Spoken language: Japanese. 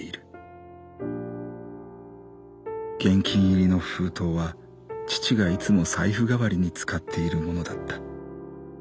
現金入りの封筒は父がいつも財布代わりに使っているものだった。